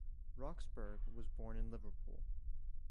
Roxburgh was born in Liverpool.